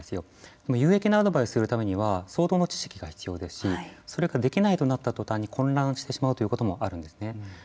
でも有益なアドバイスをするためには相当の知識が必要ですしそれができないとなった途端に混乱してしまうということもあるんですね。